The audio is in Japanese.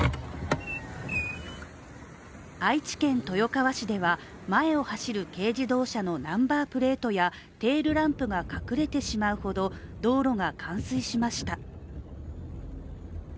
愛知県豊川市では前を走る軽自動車のナンバープレートや、テールランプが隠れてしまうほど道路が冠水しました。